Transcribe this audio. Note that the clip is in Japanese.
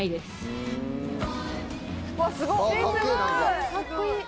すごい！